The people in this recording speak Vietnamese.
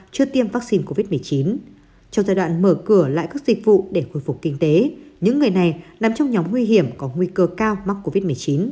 trong giai đoạn mở cửa lại các dịch vụ để khôi phục kinh tế những người này nằm trong nhóm nguy hiểm có nguy cơ cao mắc covid một mươi chín